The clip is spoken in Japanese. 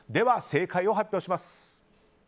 正解を発表します。